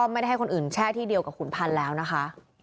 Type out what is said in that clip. ไม่ได้ให้คนอื่นแช่ที่เดียวกับขุนพันธ์แล้วนะคะ